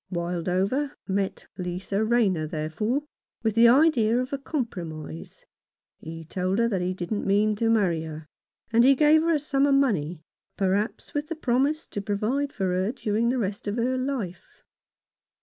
Wildover met Lisa Rayner, therefore, with the idea of a compromise. He told her that he didn't mean to marry her, and he gave her a sum of money, perhaps with the promise to provide for her during the rest of her life.